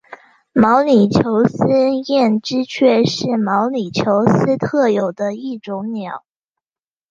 毛里求斯艳织雀是毛里求斯特有的一种鸟。